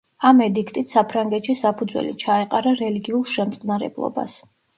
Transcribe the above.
ამ ედიქტით საფრანგეთში საფუძველი ჩაეყარა რელიგიურ შემწყნარებლობას.